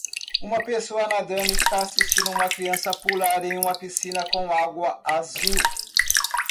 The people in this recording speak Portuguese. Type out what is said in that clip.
Uma pessoa nadando está assistindo uma criança pular em uma piscina com água azul.